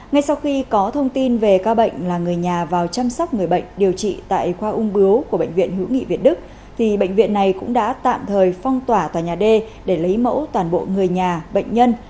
ngay sau khi có thông tin về ca bệnh là người nhà vào chăm sóc người bệnh điều trị tại khoa ung bướu của bệnh viện hữu nghị việt đức bệnh viện này cũng đã tạm thời phong tỏa tòa nhà d để lấy mẫu toàn bộ người nhà bệnh nhân